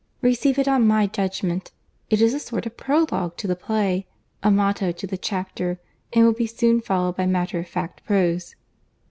Receive it on my judgment. It is a sort of prologue to the play, a motto to the chapter; and will be soon followed by matter of fact prose."